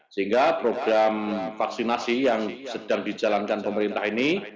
sehingga program vaksinasi yang sedang dijalankan pemerintah ini